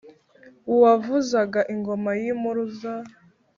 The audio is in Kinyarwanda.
uwavuzaga ingoma y'impuruza